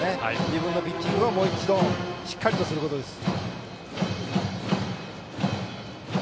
自分のピッチングをもう一度しっかりとすることです。